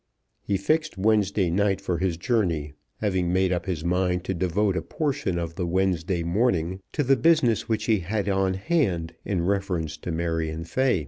He fixed Wednesday night for his journey, having made up his mind to devote a portion of the Wednesday morning to the business which he had on hand in reference to Marion Fay.